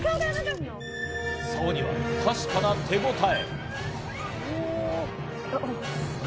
竿には確かな手応え！